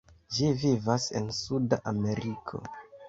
Ĝi vivas en Suda Ameriko.